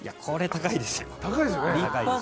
高いですよね。